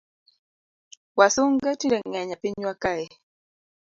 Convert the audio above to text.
Wasunge tinde ngeny e pinywa kae